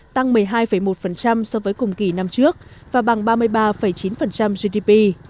tăng một mươi hai một so với cùng kỳ năm trước và bằng ba mươi ba chín gdp